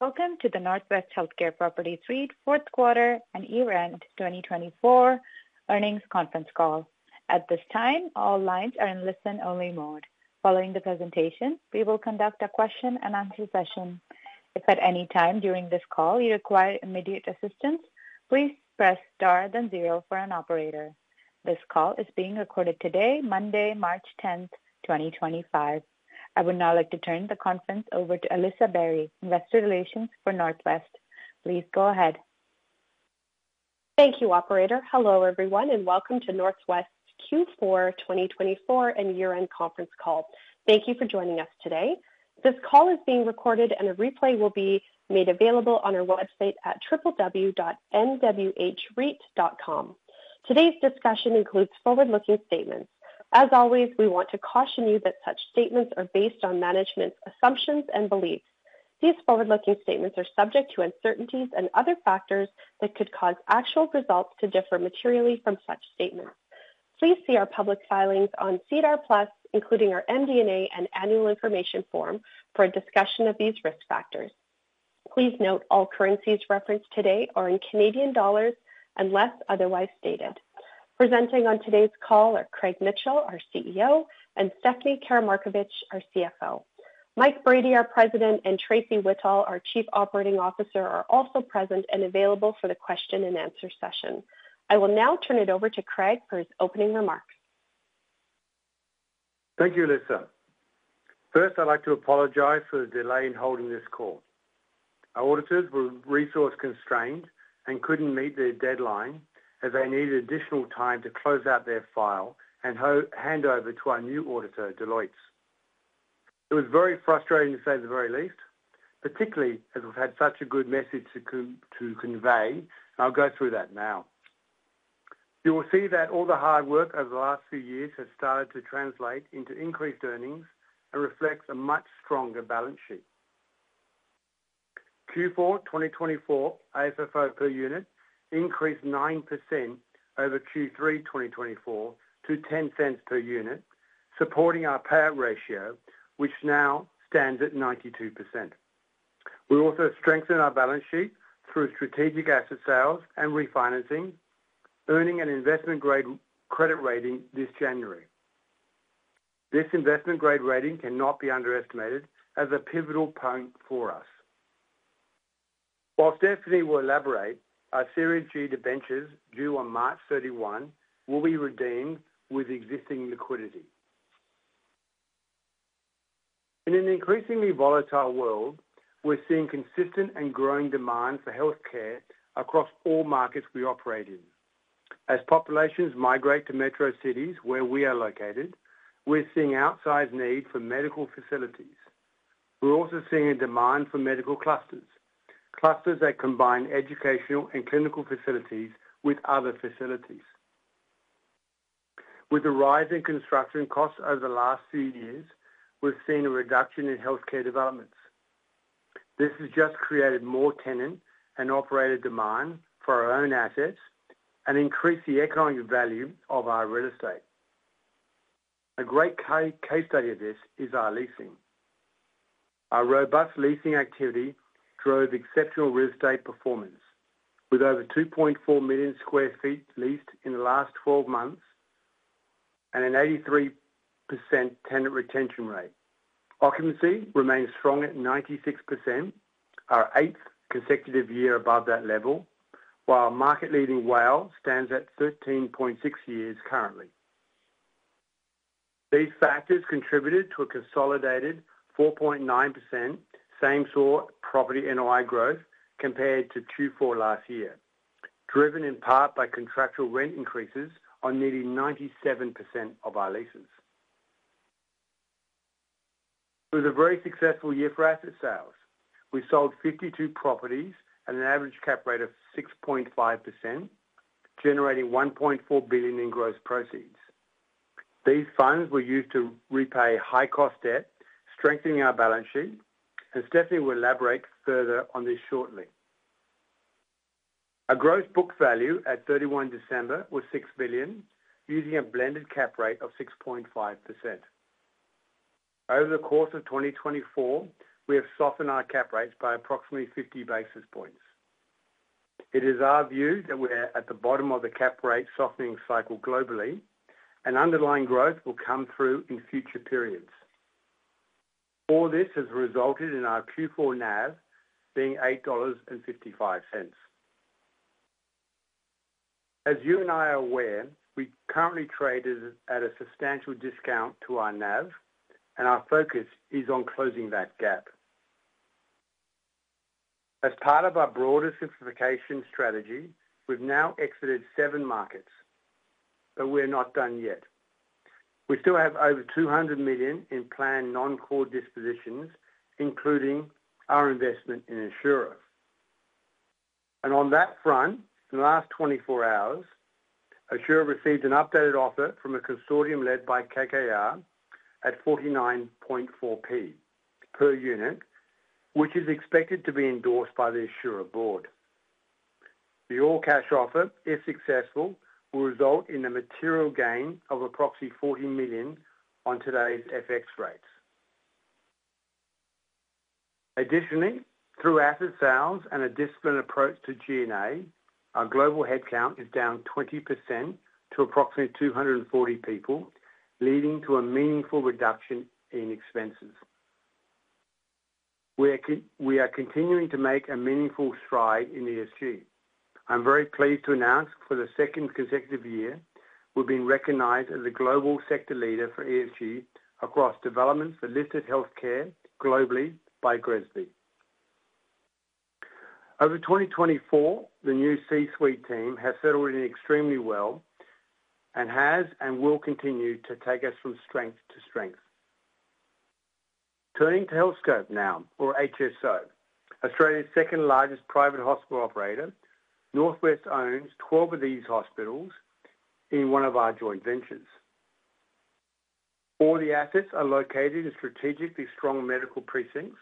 Welcome to the NorthWest Healthcare Properties REIT Fourth Quarter and Year-End 2024 Earnings Conference Call. At this time, all lines are in listen-only mode. Following the presentation, we will conduct a question-and-answer session. If at any time during this call you require immediate assistance, please press star then zero for an operator. This call is being recorded today, Monday, March 10, 2025. I would now like to turn the conference over to Alyssa Barry, Investor Relations for NorthWest. Please go ahead. Thank you, Operator. Hello, everyone, and welcome to NorthWest's Q4 2024 and Year-End Conference Call. Thank you for joining us today. This call is being recorded, and a replay will be made available on our website at www.nwhreit.com. Today's discussion includes forward-looking statements. As always, we want to caution you that such statements are based on management's assumptions and beliefs. These forward-looking statements are subject to uncertainties and other factors that could cause actual results to differ materially from such statements. Please see our public filings on SEDAR+, including our MD&A and annual information form, for a discussion of these risk factors. Please note all currencies referenced today are in Canadian Dollar unless otherwise stated. Presenting on today's call are Craig Mitchell, our CEO, and Stephanie Karamarkovic, our CFO. Mike Brady, our President, and Tracey Whittall, our Chief Operating Officer, are also present and available for the question-and-answer session. I will now turn it over to Craig for his opening remarks. Thank you, Alyssa. First, I'd like to apologize for the delay in holding this call. Our auditors were resource-constrained and could not meet their deadline, as they needed additional time to close out their file and hand over to our new auditor, Deloitte. It was very frustrating, to say the very least, particularly as we've had such a good message to convey, and I'll go through that now. You will see that all the hard work over the last few years has started to translate into increased earnings and reflects a much stronger balance sheet. Q4 2024 AFFO per unit increased 9% over Q3 2024 to 0.10 per unit, supporting our payout ratio, which now stands at 92%. We also strengthened our balance sheet through strategic asset sales and refinancing, earning an investment-grade credit rating this January. This investment-grade rating cannot be underestimated as a pivotal point for us. While Stephanie will elaborate, our Series G debentures due on March 31 will be redeemed with existing liquidity. In an increasingly volatile world, we're seeing consistent and growing demand for healthcare across all markets we operate in. As populations migrate to metro cities where we are located, we're seeing outsized need for medical facilities. We're also seeing a demand for medical clusters, clusters that combine educational and clinical facilities with other facilities. With the rise in construction costs over the last few years, we've seen a reduction in healthcare developments. This has just created more tenant and operator demand for our own assets and increased the economic value of our real estate. A great case study of this is our leasing. Our robust leasing activity drove exceptional real estate performance, with over 2.4 million sq ft leased in the last 12 months and an 83% tenant retention rate. Occupancy remains strong at 96%, our eighth consecutive year above that level, while market-leading WALE stands at 13.6 years currently. These factors contributed to a consolidated 4.9% same-property NOI growth compared to Q4 last year, driven in part by contractual rent increases on nearly 97% of our leases. It was a very successful year for asset sales. We sold 52 properties at an average cap rate of 6.5%, generating 1.4 billion in gross proceeds. These funds were used to repay high-cost debt, strengthening our balance sheet, and Stephanie will elaborate further on this shortly. Our gross book value at 31 December was 6 billion, using a blended cap rate of 6.5%. Over the course of 2024, we have softened our cap rates by approximately 50 basis points. It is our view that we're at the bottom of the cap rate softening cycle globally, and underlying growth will come through in future periods. All this has resulted in our Q4 NAV being 8.55 dollars. As you and I are aware, we currently trade at a substantial discount to our NAV, and our focus is on closing that gap. As part of our broader simplification strategy, we've now exited seven markets, but we're not done yet. We still have over 200 million in planned non-core dispositions, including our investment in Assura. On that front, in the last 24 hours, Assura received an updated offer from a consortium led by KKR at 0.494 per unit, which is expected to be endorsed by the Assura board. The all-cash offer, if successful, will result in a material gain of approximately 40 million on today's FX rates. Additionally, through asset sales and a disciplined approach to G&A, our global headcount is down 20% to approximately 240 people, leading to a meaningful reduction in expenses. We are continuing to make a meaningful stride in ESG. I'm very pleased to announce that for the second consecutive year, we've been recognized as a global sector leader for ESG across developments for listed healthcare globally by GRESB. Over 2024, the new C-suite team has settled in extremely well and has and will continue to take us from strength to strength. Turning to Healthscope now, or HSO, Australia's second-largest private hospital operator, NorthWest owns 12 of these hospitals in one of our joint ventures. All the assets are located in strategically strong medical precincts,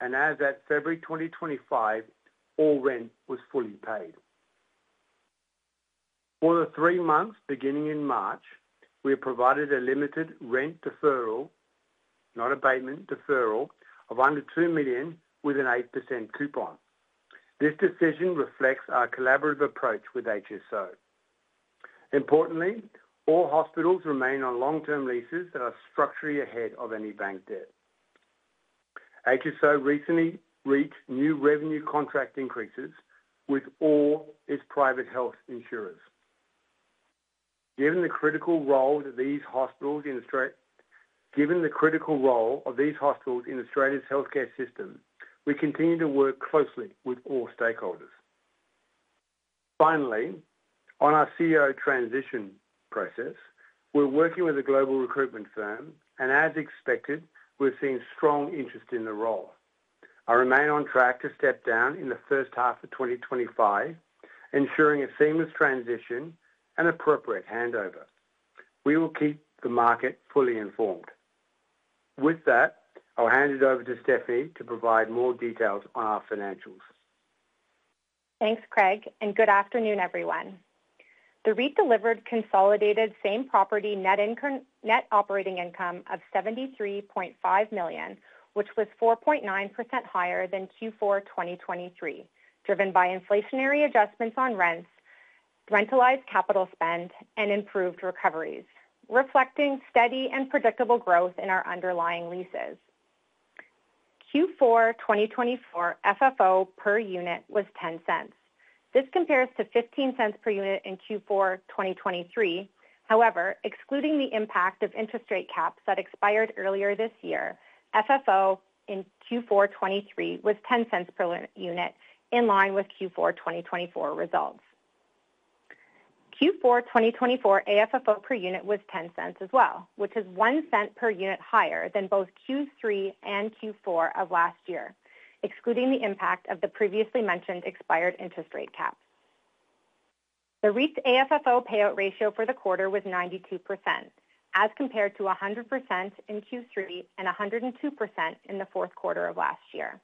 and as of February 2025, all rent was fully paid. For the three months beginning in March, we have provided a limited rent deferral, not abatement, deferral of under 2 million with an 8% coupon. This decision reflects our collaborative approach with HSO. Importantly, all hospitals remain on long-term leases that are structurally ahead of any bank debt. HSO recently reached new revenue contract increases with all its private health insurers. Given the critical role of these hospitals in Australia's healthcare system, we continue to work closely with all stakeholders. Finally, on our CEO transition process, we're working with a global recruitment firm, and as expected, we're seeing strong interest in the role. I remain on track to step down in the first half of 2025, ensuring a seamless transition and appropriate handover. We will keep the market fully informed. With that, I'll hand it over to Stephanie to provide more details on our financials. Thanks, Craig, and good afternoon, everyone. The REIT delivered consolidated same-property net operating income of 73.5 million, which was 4.9% higher than Q4 2023, was driven by inflationary adjustments on rents, rentalised capital spend, and improved recoveries, reflecting steady and predictable growth in our underlying leases. Q4 2024 FFO per unit was 0.10. This compares to 0.15 per unit in Q4 2023. However, excluding the impact of interest rate caps that expired earlier this year, FFO in Q4 2023 was 0.10 per unit, in line with Q4 2024 results. Q4 2024 AFFO per unit was 0.10 as well, which is 0.01 per unit higher than both Q3 and Q4 of last year, excluding the impact of the previously mentioned expired interest rate cap. The REIT AFFO payout ratio for the quarter was 92%, as compared to 100% in Q3 and 102% in the fourth quarter of last year.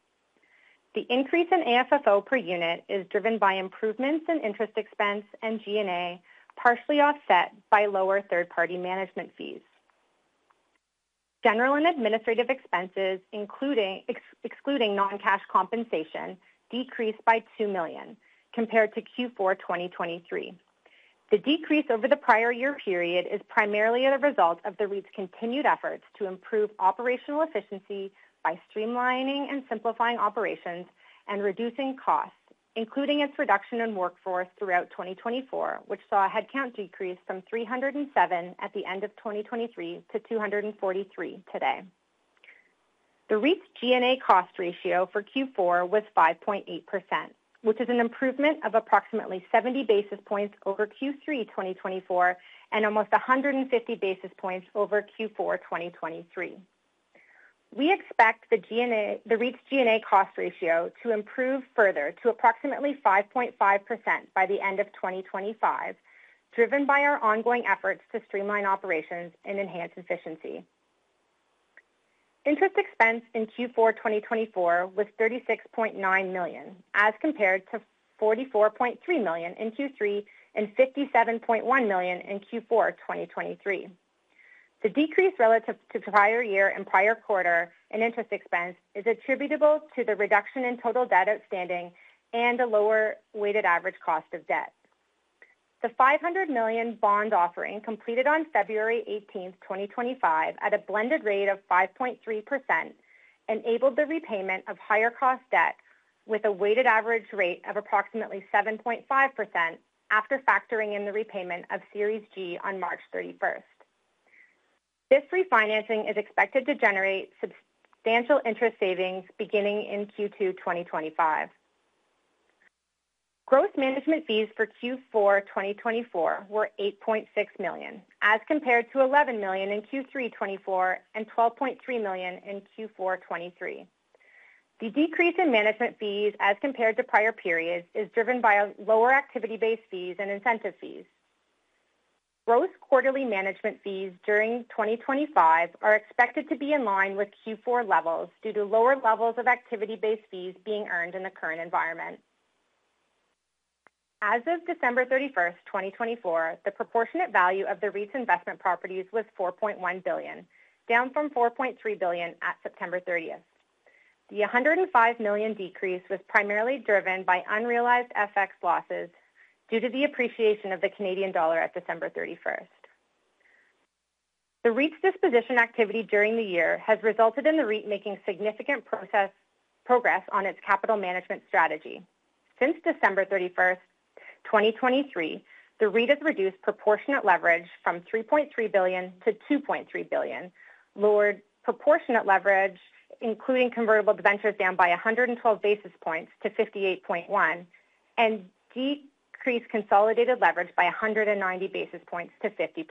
The increase in AFFO per unit is driven by improvements in interest expense and G&A, partially offset by lower third-party management fees. General and administrative expenses, excluding non-cash compensation, decreased by 2 million compared to Q4 2023. The decrease over the prior year period is primarily a result of the REIT's continued efforts to improve operational efficiency by streamlining and simplifying operations and reducing costs, including its reduction in workforce throughout 2024, which saw a headcount decrease from 307 at the end of 2023 to 243 today. The REIT G&A cost ratio for Q4 was 5.8%, which is an improvement of approximately 70 basis points over Q3 2024 and almost 150 basis points over Q4 2023. We expect the REIT G&A cost ratio to improve further to approximately 5.5% by the end of 2025, driven by our ongoing efforts to streamline operations and enhance efficiency. Interest expense in Q4 2024 was 36.9 million, as compared to 44.3 million in Q3 and 57.1 million in Q4 2023. The decrease relative to prior year and prior quarter in interest expense is attributable to the reduction in total debt outstanding and a lower weighted average cost of debt. The 500 million bond offering completed on February 18, 2025, at a blended rate of 5.3% enabled the repayment of higher-cost debt with a weighted average rate of approximately 7.5% after factoring in the repayment of Series G on March 31. This refinancing is expected to generate substantial interest savings beginning in Q2 2025. Gross management fees for Q4 2024 were 8.6 million, as compared to 11 million in Q3 2024 and 12.3 million in Q4 2023. The decrease in management fees, as compared to prior periods, is driven by lower activity-based fees and incentive fees. Gross quarterly management fees during 2025 are expected to be in line with Q4 levels due to lower levels of activity-based fees being earned in the current environment. As of December 31, 2024, the proportionate value of the REIT's investment properties was 4.1 billion, down from 4.3 billion at September 30. The 105 million decrease was primarily driven by unrealized FX losses due to the appreciation of the Canadian dollar at December 31. The REIT's disposition activity during the year has resulted in the REIT making significant progress on its capital management strategy. Since December 31, 2023, the REIT has reduced proportionate leverage from 3.3 billion to 2.3 billion, lowered proportionate leverage, including convertible debentures, down by 112 basis points to 58.1%, and decreased consolidated leverage by 190 basis points to 50%.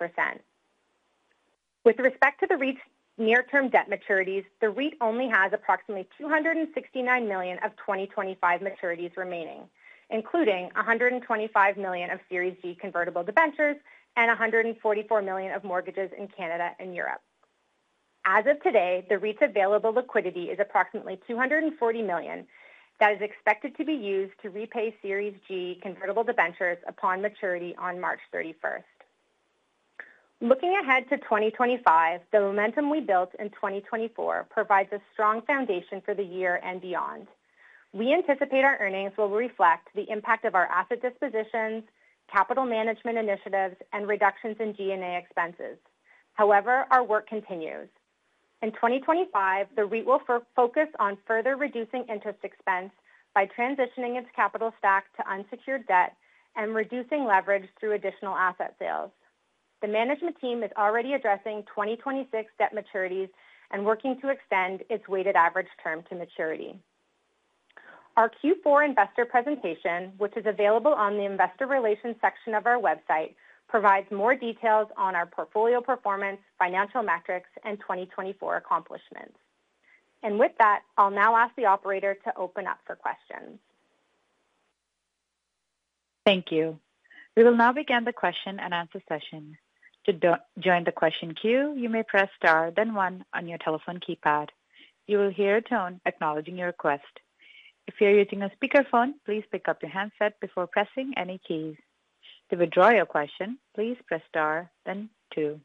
With respect to the REIT's near-term debt maturities, the REIT only has approximately 269 million of 2025 maturities remaining, including 125 million of Series G convertible debentures and 144 million of mortgages in Canada and Europe. As of today, the REIT's available liquidity is approximately 240 million that is expected to be used to repay Series G convertible debentures upon maturity on March 31. Looking ahead to 2025, the momentum we built in 2024 provides a strong foundation for the year and beyond. We anticipate our earnings will reflect the impact of our asset dispositions, capital management initiatives, and reductions in G&A expenses. However, our work continues. In 2025, the REIT will focus on further reducing interest expense by transitioning its capital stack to unsecured debt and reducing leverage through additional asset sales. The management team is already addressing 2026 debt maturities and working to extend its weighted average term to maturity. Our Q4 investor presentation, which is available on the investor relations section of our website, provides more details on our portfolio performance, financial metrics, and 2024 accomplishments. I will now ask the operator to open up for questions. Thank you. We will now begin the question and answer session. To join the question queue, you may press star, then one on your telephone keypad. You will hear a tone acknowledging your request. If you're using a speakerphone, please pick up your handset before pressing any keys. To withdraw your question, please press star, then two.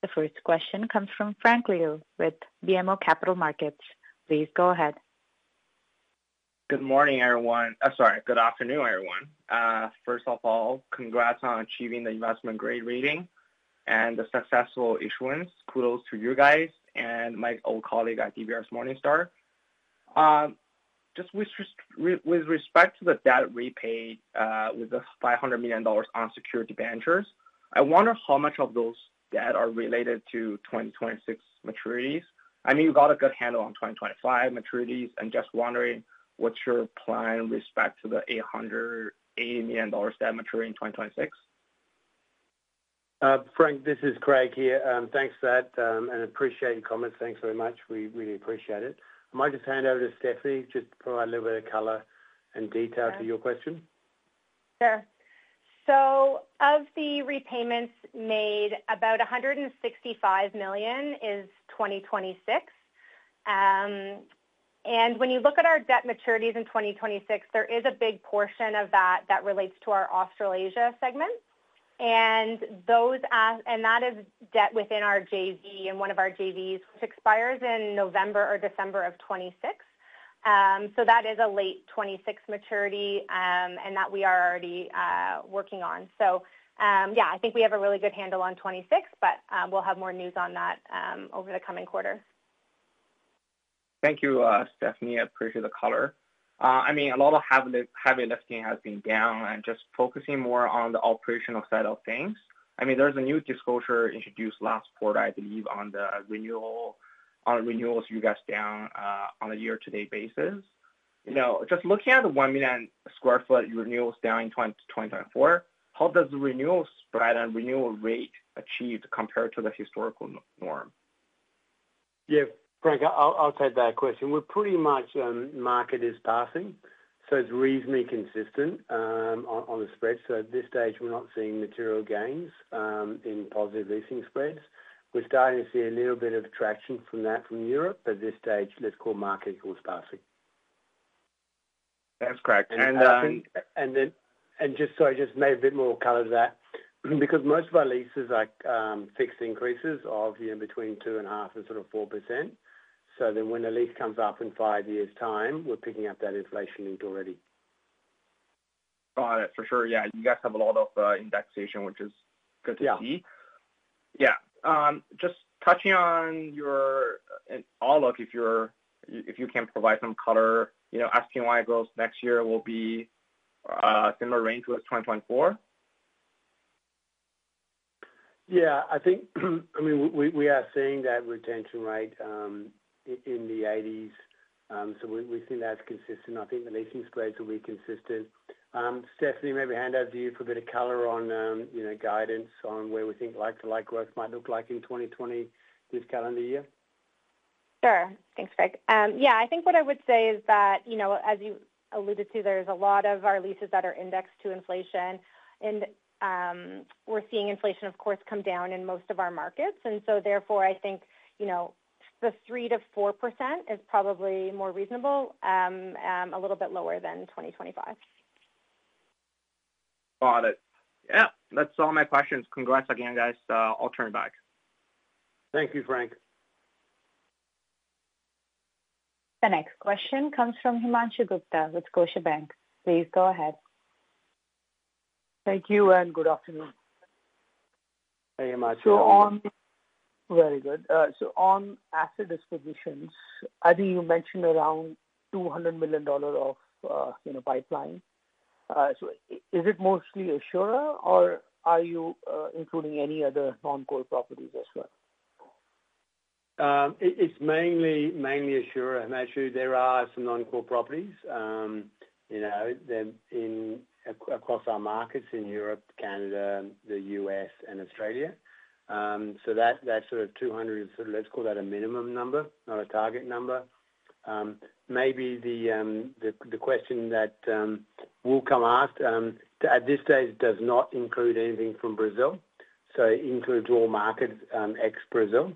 The first question comes from Frank Liu with BMO Capital Markets. Please go ahead. Good morning, everyone. Sorry, good afternoon, everyone. First of all, congrats on achieving the investment-grade rating and the successful issuance. Kudos to you guys and my old colleague at DBRS Morningstar. Just with respect to the debt repaid with the $500 million on secured debentures, I wonder how much of those debts are related to 2026 maturities. I mean, you got a good handle on 2025 maturities, and just wondering what's your plan with respect to the $880 million debt maturity in 2026? Frank, this is Craig here. Thanks for that, and appreciate your comments. Thanks very much. We really appreciate it. I might just hand over to Stephanie just to provide a little bit of color and detail to your question. Sure. Of the repayments made, about 165 million is 2026. When you look at our debt maturities in 2026, there is a big portion of that that relates to our Australasia segment. That is debt within our JV and one of our JVs, which expires in November or December of 2026. That is a late 2026 maturity that we are already working on. I think we have a really good handle on 2026, but we will have more news on that over the coming quarters. Thank you, Stephanie. I appreciate the color. I mean, a lot of heavy lifting has been done and just focusing more on the operational side of things. I mean, there is a new disclosure introduced last quarter, I believe, on the renewals you guys have done on a year-to-date basis. Just looking at the 1 million sq ft renewals done in 2024, how does the renewal spread and renewal rate achieved compare to the historical norm? Yeah, Craig, I'll take that question. We're pretty much market is passing, so it's reasonably consistent on the spread. At this stage, we're not seeing material gains in positive leasing spreads. We're starting to see a little bit of traction from that from Europe, but at this stage, let's call market equals passing. That's correct. Just so I just made a bit more color to that, because most of our leases are fixed increases of between 2.5%-4%. When the lease comes up in five years' time, we're picking up that inflation link already. Got it. For sure. Yeah. You guys have a lot of indexation, which is good to see. Yeah. Just touching on your end, [inaudible] if you can provide some color, asking why growth next year will be similar range with 2024? Yeah. I mean, we are seeing that retention rate in the 80s. We think that's consistent. I think the leasing spreads will be consistent. Stephanie, maybe hand over to you for a bit of color on guidance on where we think like-to-like growth might look like in 2020 this calendar year. Sure. Thanks, Craig. Yeah, I think what I would say is that, as you alluded to, there's a lot of our leases that are indexed to inflation. We're seeing inflation, of course, come down in most of our markets. Therefore, I think the 3%-4% is probably more reasonable, a little bit lower than 2025. Got it. Yeah. That's all my questions. Congrats again, guys. I'll turn it back. Thank you, Frank. The next question comes from Himanshu Gupta with Scotiabank. Please go ahead. Thank you and good afternoon. Hey, Himanshu. Very good. On asset dispositions, I think you mentioned around 200 million dollar of pipeline. Is it mostly Assura, or are you including any other non-core properties as well? It's mainly Assura. Actually, there are some non-core properties across our markets in Europe, Canada, the U.S., and Australia. That sort of 200 is, let's call that a minimum number, not a target number. Maybe the question that will come out at this stage does not include anything from Brazil. It includes all markets ex-Brazil.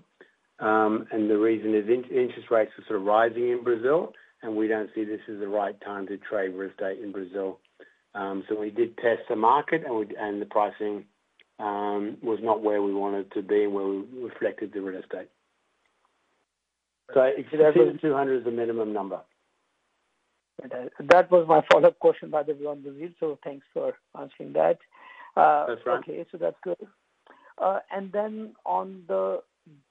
The reason is interest rates are sort of rising in Brazil, and we don't see this as the right time to trade real estate in Brazil. We did test the market, and the pricing was not where we wanted to be and where we reflected the real estate. It should have been 200 is the minimum number. That was my follow-up question by the way on Brazil. Thanks for answering that. That's fine. Okay. That's good. Then on the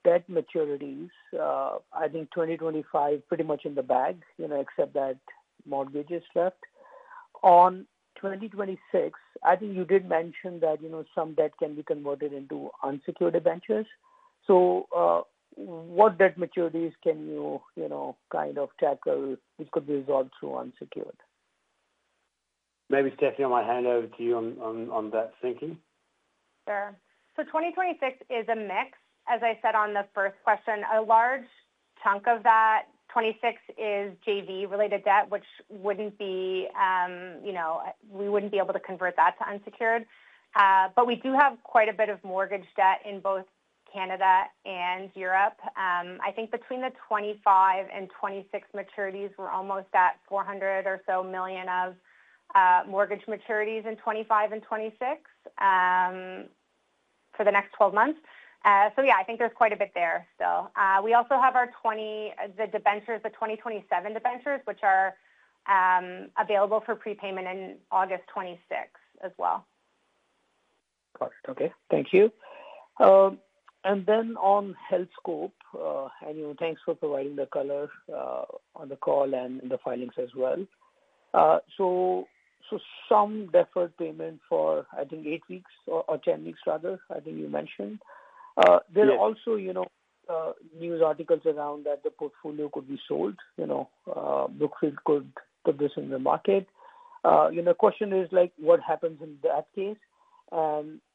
debt maturities, I think 2025 is pretty much in the bag, except that mortgages are left. On 2026, I think you did mention that some debt can be converted into unsecured debentures. What debt maturities can you kind of tackle which could be resolved through unsecured? Maybe, Stephanie, I might hand over to you on that thinking. Sure. 2026 is a mix. As I said on the first question, a large chunk of that 2026 is JV-related debt, which we would not be able to convert to unsecured. We do have quite a bit of mortgage debt in both Canada and Europe. I think between the 2025 and 2026 maturities, we are almost at 400 million or so of mortgage maturities in 2025 and 2026 for the next 12 months. There is quite a bit there still. We also have our 2027 debentures, which are available for prepayment in August 2026 as well. Got it. Okay. Thank you. On Healthscope, and thanks for providing the color on the call and the filings as well. Some deferred payment for, I think, eight weeks or 10 weeks, rather, I think you mentioned. There are also news articles around that the portfolio could be sold. Brookfield could put this in the market. The question is, what happens in that case?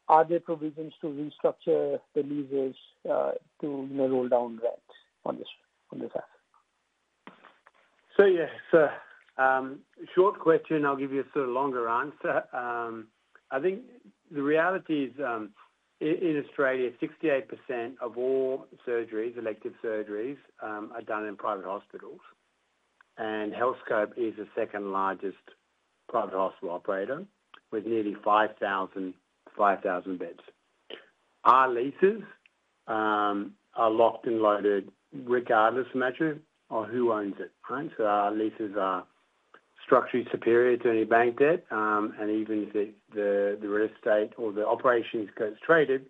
Are there provisions to restructure the leases to roll down rents on this asset? Yeah, short question, I'll give you a sort of longer answer. I think the reality is, in Australia, 68% of all surgeries, elective surgeries, are done in private hospitals. And Healthscope is the second largest private hospital operator with nearly 5,000 beds. Our leases are locked and loaded regardless, imagine, of who owns it, right? Our leases are structurally superior to any bank debt. Even if the real estate or the operations get traded,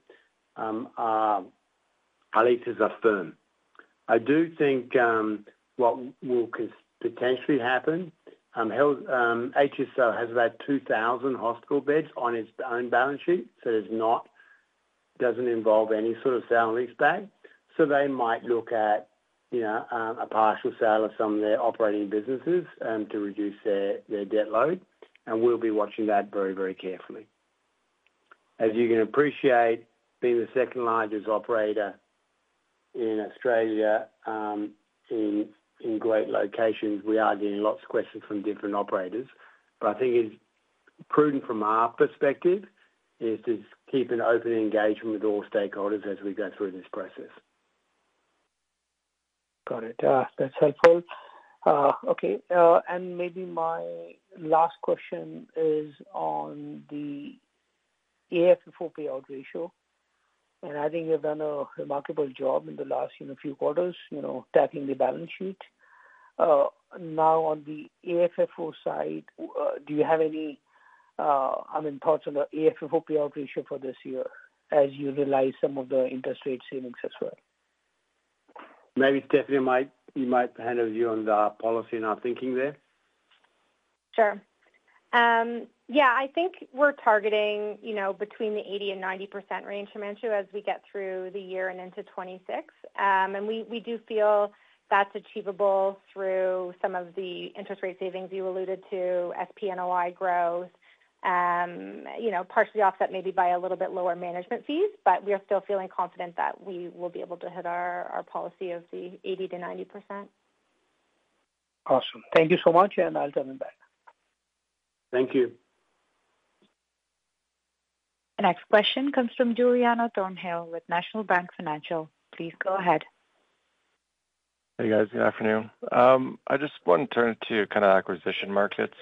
our leases are firm. I do think what will potentially happen, HSO has about 2,000 hospital beds on its own balance sheet, so it doesn't involve any sort of selling leaseback. They might look at a partial sale of some of their operating businesses to reduce their debt load. We'll be watching that very, very carefully. As you can appreciate, being the second largest operator in Australia in great locations, we are getting lots of questions from different operators. I think it's prudent from our perspective is to keep an open engagement with all stakeholders as we go through this process. Got it. That's helpful. Okay. Maybe my last question is on the AFFO payout ratio. I think you've done a remarkable job in the last few quarters tackling the balance sheet. Now, on the AFFO side, do you have any, I mean, thoughts on the AFFO payout ratio for this year as you realize some of the interest rate savings as well? Maybe, Stephanie, I might hand over to you on the policy and our thinking there. Sure. Yeah. I think we're targeting between the 80-90% range, Himanshu, as we get through the year and into 2026. We do feel that's achievable through some of the interest rate savings you alluded to, SPNOI growth, partially offset maybe by a little bit lower management fees. We are still feeling confident that we will be able to hit our policy of the 80-90%. Awesome. Thank you so much, and I'll turn it back. Thank you. The next question comes from Giuliano Thornhill with National Bank Financial. Please go ahead. Hey, guys. Good afternoon. I just wanted to turn to kind of acquisition markets.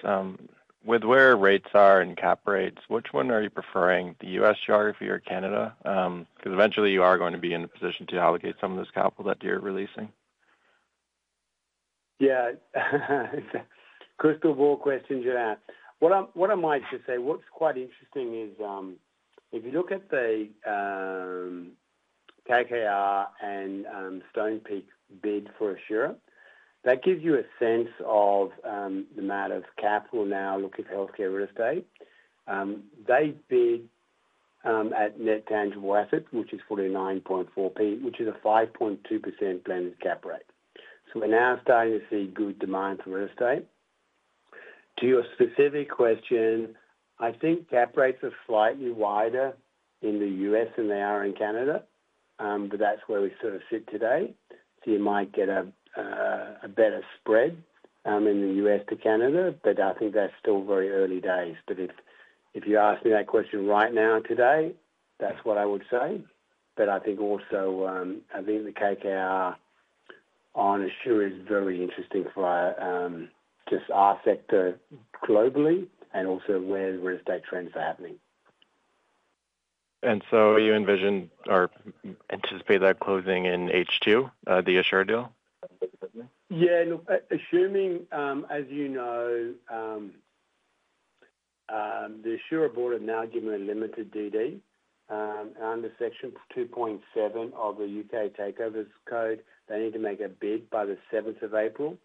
With where rates are and cap rates, which one are you preferring, the US geography or Canada? Because eventually, you are going to be in a position to allocate some of this capital that you're releasing. Yeah. First of all, what question do you have? What I might just say, what's quite interesting is if you look at the KKR and Stonepeak bid for Assura, that gives you a sense of the amount of capital now looking at healthcare real estate. They bid at net tangible assets, which is 0.494, which is a 5.2% blended cap rate. We are now starting to see good demand for real estate. To your specific question, I think cap rates are slightly wider in the U.S. than they are in Canada, but that is where we sort of sit today. You might get a better spread in the U.S. to Canada, but I think that is still very early days. If you ask me that question right now today, that is what I would say. I think also I think the KKR on Assura is very interesting for just our sector globally and also where the real estate trends are happening. You envision or anticipate that closing in H2, the Assura deal? Yeah. Look, assuming, as you know, the Assura board have now given a limited DD under Section 2.7 of the U.K. Takeover Code. They need to make a bid by the 7th of April.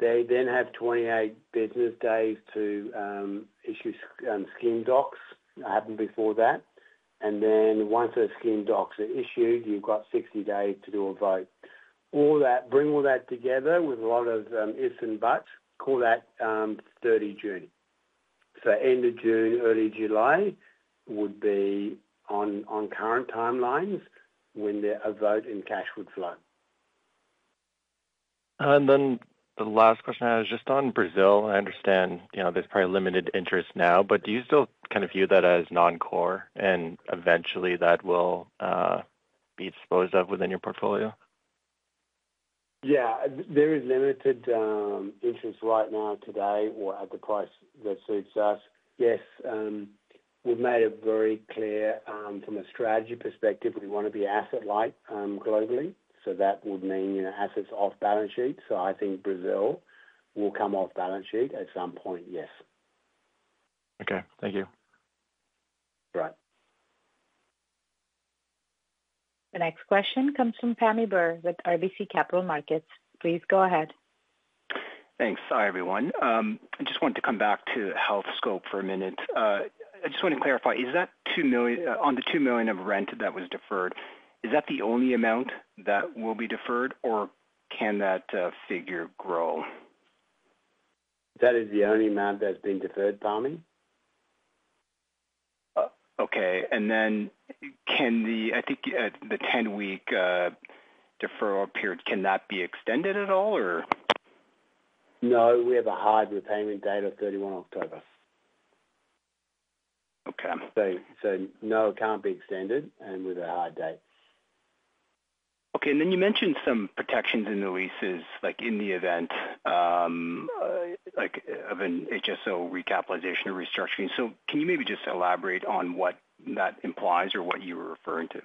They then have 28 business days to issue scheme docs. That happened before that. And then once those scheme docs are issued, you've got 60 days to do a vote. Bring all that together with a lot of ifs and buts. Call that 30 June. End of June, early July would be on current timelines when a vote in cash would flow. The last question I had is just on Brazil. I understand there is probably limited interest now, but do you still kind of view that as non-core and eventually that will be disposed of within your portfolio? Yeah. There is limited interest right now today or at the price that suits us. Yes. We've made it very clear from a strategy perspective, we want to be asset-light globally. That would mean assets off balance sheet. I think Brazil will come off balance sheet at some point, yes. Okay. Thank you. All right. The next question comes from Pammi Bir with RBC Capital Markets. Please go ahead. Thanks. Hi, everyone. I just wanted to come back to Healthscope for a minute. I just wanted to clarify, is that on the $2 million of rent that was deferred, is that the only amount that will be deferred, or can that figure grow? That is the only amount that's been deferred, Pammy. Okay. I think the 10-week deferral period, can that be extended at all, or? No. We have a hard repayment date of 31 October. No, it can't be extended and with a hard date. Okay. You mentioned some protections in the leases, like in the event of an HSO recapitalization or restructuring. Can you maybe just elaborate on what that implies or what you were referring to?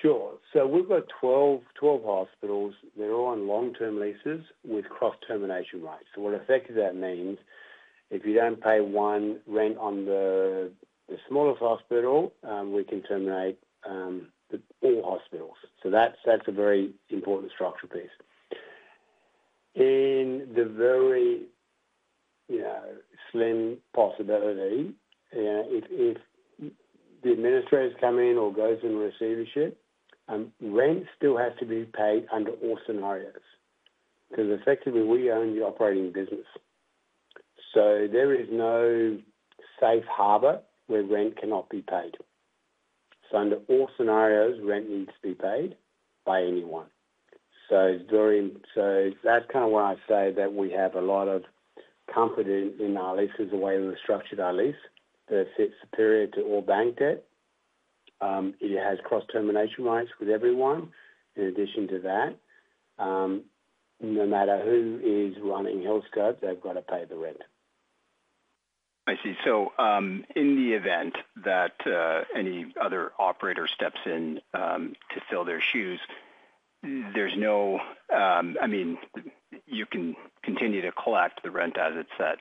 Sure. We have 12 hospitals. They are all on long-term leases with cross-termination rights. What that means is, if you do not pay rent on the smallest hospital, we can terminate all hospitals. That is a very important structural piece. In the very slim possibility that the administrators come in or it goes into receivership, rent still has to be paid under all scenarios. Because effectively, we own the operating business. There is no safe harbor where rent cannot be paid. Under all scenarios, rent needs to be paid by anyone. That is why I say that we have a lot of comfort in our leases, the way we have structured our lease that sits superior to all bank debt. It has cross-termination rights with everyone. In addition to that, no matter who is running Healthscope, they have to pay the rent. I see. In the event that any other operator steps in to fill their shoes, there's no, I mean, you can continue to collect the rent as it's set.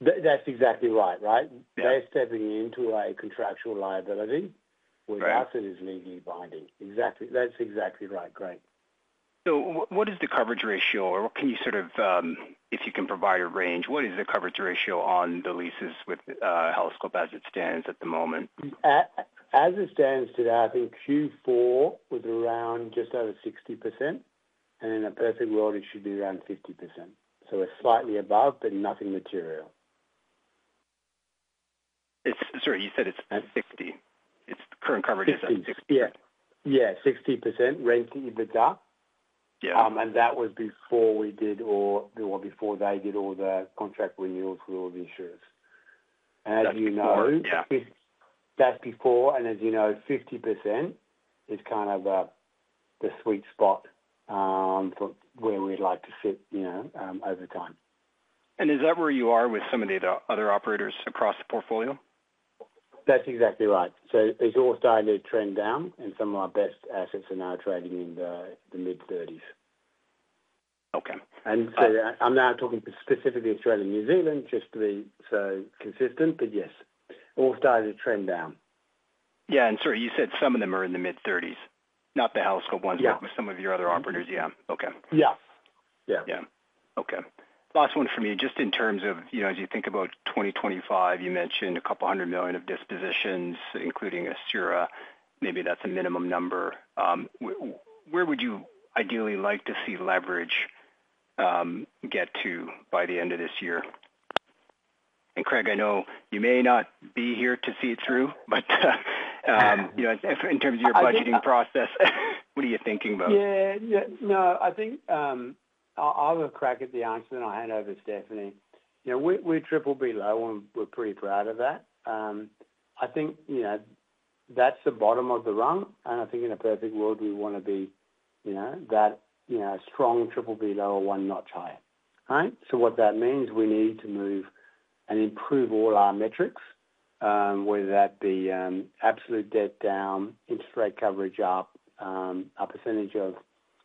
That's exactly right, right? They're stepping into a contractual liability where nothing is legally binding. Exactly. That's exactly right. Great. What is the coverage ratio, or can you sort of, if you can provide a range, what is the coverage ratio on the leases with Healthscope as it stands at the moment? As it stands today, I think Q4 was around just over 60%. In a perfect world, it should be around 50%. It is slightly above, but nothing material. Sorry. You said it's 60. The current coverage is at 60. Yeah. Yeah. 60% rent that you've been got. That was before we did or before they did all the contract renewals with all the insurers. As you know, that's before. As you know, 50% is kind of the sweet spot for where we'd like to sit over time. Is that where you are with some of the other operators across the portfolio? That's exactly right. It is all starting to trend down, and some of our best assets are now trading in the mid-30s. I am now talking specifically Australia, New Zealand, just to be so consistent, but yes. All starting to trend down. Yeah. Sorry, you said some of them are in the mid-30s, not the Healthscope ones, but with some of your other operators. Yeah. Okay. Last one for me, just in terms of as you think about 2025, you mentioned a couple hundred million of dispositions, including Assura. Maybe that's a minimum number. Where would you ideally like to see leverage get to by the end of this year? Craig, I know you may not be here to see it through, but in terms of your budgeting process, what are you thinking about? Yeah. No. I think I'll crack at the answer, then I hand over to Stephanie. We're triple B low, and we're pretty proud of that. I think that's the bottom of the rung. I think in a perfect world, we want to be that strong triple B low or one notch higher, right? What that means is we need to move and improve all our metrics, whether that be absolute debt down, interest rate coverage up, our percentage of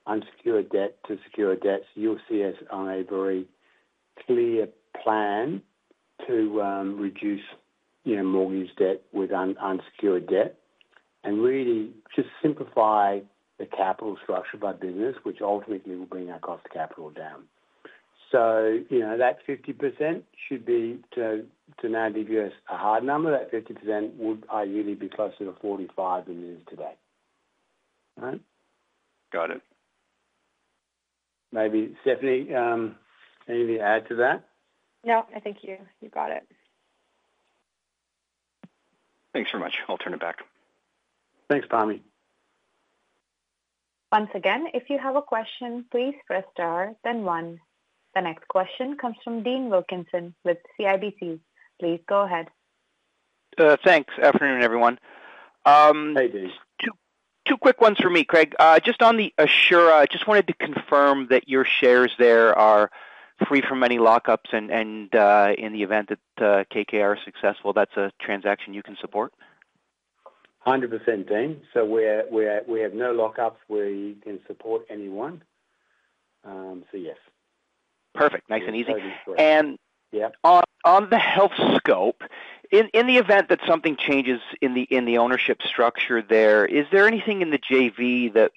unsecured debt to secured debt. You'll see us on a very clear plan to reduce mortgage debt with unsecured debt and really just simplify the capital structure by business, which ultimately will bring our cost of capital down. That 50% should be, to now give you a hard number, that 50% would ideally be closer to 45 than it is today, right? Got it. Maybe, Stephanie, anything to add to that? No. I think you got it. Thanks very much. I'll turn it back. Thanks, Pammy. Once again, if you have a question, please press star, then one. The next question comes from Dean Wilkinson with CIBC. Please go ahead. Thanks. Afternoon, everyone. Hey, Dean. Two quick ones for me, Craig. Just on the Assura, I just wanted to confirm that your shares there are free from any lockups. In the event that KKR is successful, that's a transaction you can support? 100%, Dean. We have no lockups. We can support anyone. Yes. Perfect. Nice and easy. On the Healthscope, in the event that something changes in the ownership structure there, is there anything in the JV that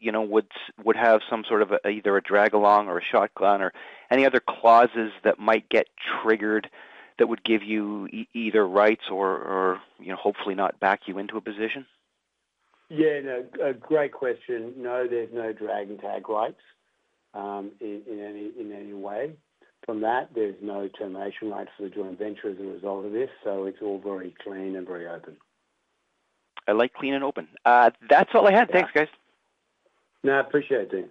would have some sort of either a drag-along or a shotgun or any other clauses that might get triggered that would give you either rights or hopefully not back you into a position? Yeah. No. Great question. No, there's no drag-and-tag rights in any way. From that, there's no termination rights for the joint venture as a result of this. It is all very clean and very open. I like clean and open. That's all I had. Thanks, guys. No, I appreciate it, Dean.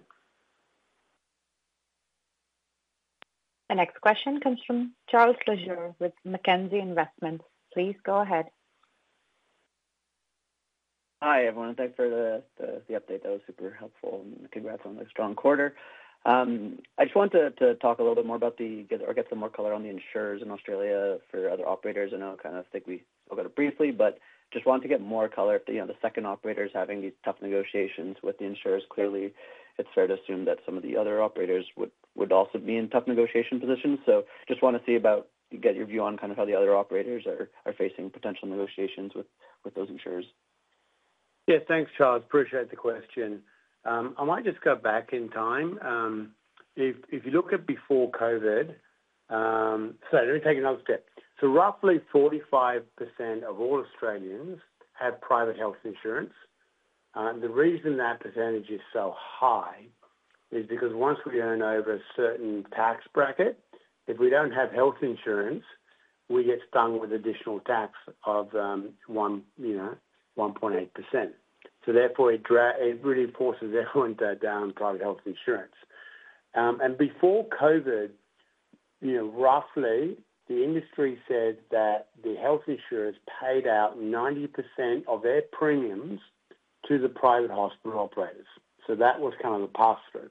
The next question comes from Charles Lazure with Mackenzie Investments. Please go ahead. Hi, everyone. Thanks for the update. That was super helpful. Congrats on the strong quarter. I just wanted to talk a little bit more about the or get some more color on the insurers in Australia for other operators. I know I kind of think we spoke about it briefly, but just wanted to get more color if the second operator is having these tough negotiations with the insurers. Clearly, it's fair to assume that some of the other operators would also be in tough negotiation positions. I just want to see about get your view on kind of how the other operators are facing potential negotiations with those insurers. Yeah. Thanks, Charles. Appreciate the question. I might just go back in time. If you look at before COVID—sorry, let me take another step. Roughly 45% of all Australians have private health insurance. The reason that percentage is so high is because once we turn over a certain tax bracket, if we do not have health insurance, we get stung with additional tax of 1.8%. Therefore, it really forces everyone to down private health insurance. Before COVID, roughly, the industry said that the health insurers paid out 90% of their premiums to the private hospital operators. That was kind of the pass-through.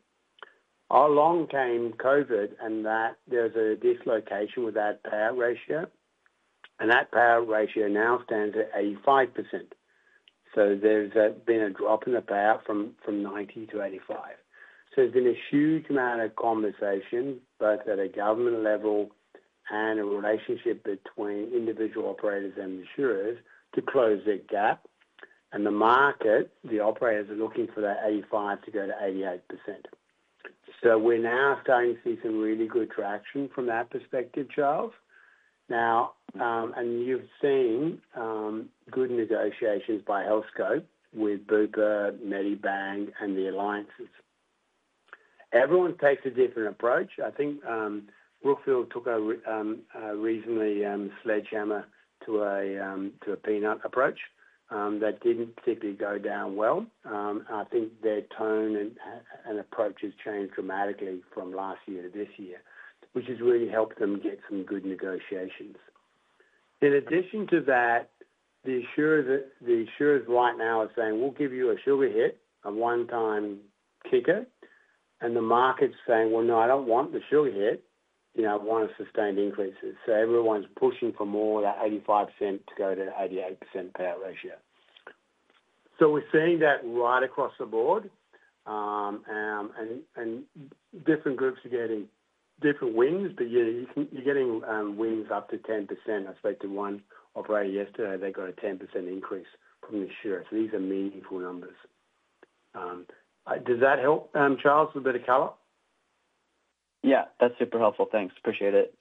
Along came COVID and there is a dislocation with that payout ratio. That payout ratio now stands at 85%. There has been a drop in the payout from 90% to 85%. There has been a huge amount of conversation, both at a government level and a relationship between individual operators and insurers to close that gap. The market, the operators are looking for that 85% to go to 88%. We are now starting to see some really good traction from that perspective, Charles. You have seen good negotiations by Healthscope with Bupa, Medibank, and the alliances. Everyone takes a different approach. I think Brookfield took a reasonably sledgehammer to a peanut approach. That did not particularly go down well. I think their tone and approach has changed dramatically from last year to this year, which has really helped them get some good negotiations. In addition to that, the insurers right now are saying, "We will give you a sugar hit, a one-time kicker." The market is saying, "No, I do not want the sugar hit. I want sustained increases." Everyone's pushing for more of that 85% to go to 88% payout ratio. We're seeing that right across the board. Different groups are getting different wins, but you're getting wins up to 10%. I spoke to one operator yesterday. They got a 10% increase from the insurers. These are meaningful numbers. Does that help, Charles, with a bit of color? Yeah. That's super helpful. Thanks. Appreciate it.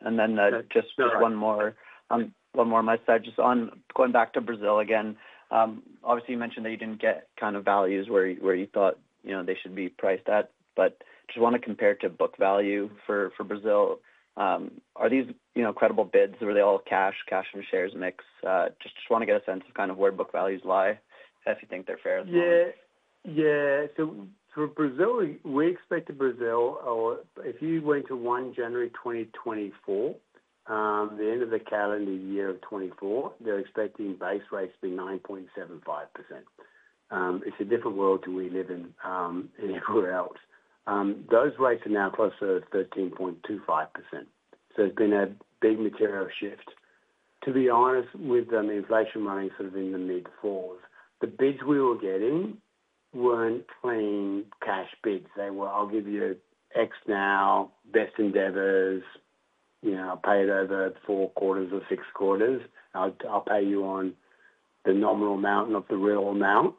Just one more on my side. Just going back to Brazil again, obviously, you mentioned that you did not get kind of values where you thought they should be priced at. Just want to compare to book value for Brazil. Are these credible bids? Were they all cash, cash and shares mix? Just want to get a sense of kind of where book values lie if you think they are fair as well. Yeah. For Brazil, we expect Brazil, if you went to January 1, 2024, the end of the calendar year of 2024, they're expecting base rates to be 9.75%. It's a different world we live in than anywhere else. Those rates are now closer to 13.25%. There's been a big material shift. To be honest, with the inflation running sort of in the mid-4s, the bids we were getting weren't clean cash bids. They were, "I'll give you X now, best endeavors. I'll pay it over four quarters or six quarters. I'll pay you on the nominal amount or the real amount."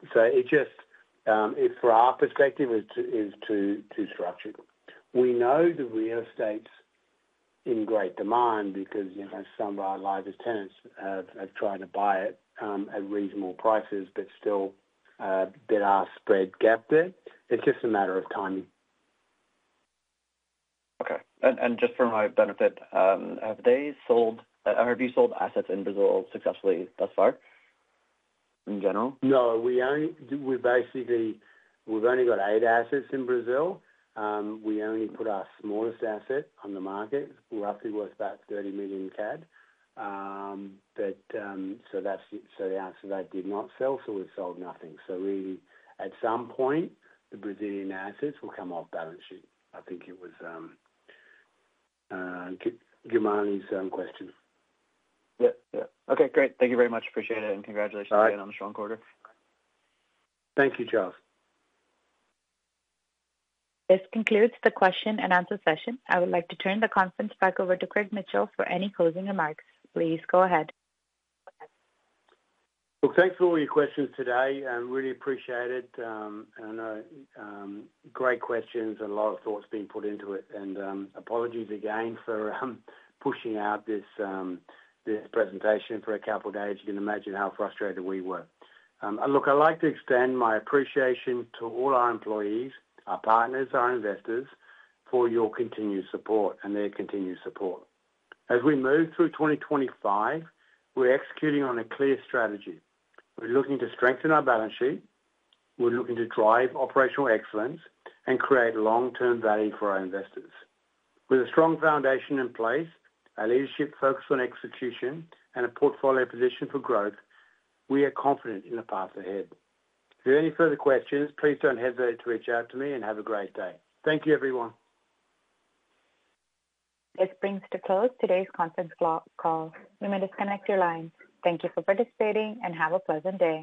From our perspective, it is too structured. We know the real estate is in great demand because some of our largest tenants have tried to buy it at reasonable prices, but still, there are spread gaps there. It's just a matter of timing. Okay. Just for my benefit, have they sold or have you sold assets in Brazil successfully thus far in general? No. We've only got eight assets in Brazil. We only put our smallest asset on the market, roughly worth about 30 million CAD. The answer to that, did not sell, so we've sold nothing. Really, at some point, the Brazilian assets will come off balance sheet. I think it was Giuliano's question. Yep. Yep. Okay. Great. Thank you very much. Appreciate it. Congratulations again on the strong quarter. Thank you, Charles. This concludes the question and answer session. I would like to turn the conference back over to Craig Mitchell for any closing remarks. Please go ahead. Thanks for all your questions today. Really appreciate it. Great questions and a lot of thoughts being put into it. Apologies again for pushing out this presentation for a couple of days. You can imagine how frustrated we were. I would like to extend my appreciation to all our employees, our partners, our investors for your continued support and their continued support. As we move through 2025, we are executing on a clear strategy. We are looking to strengthen our balance sheet. We are looking to drive operational excellence and create long-term value for our investors. With a strong foundation in place, our leadership focused on execution and a portfolio positioned for growth, we are confident in the path ahead. If you have any further questions, please do not hesitate to reach out to me and have a great day. Thank you, everyone. This brings to a close today's conference call. You may disconnect your lines. Thank you for participating and have a pleasant day.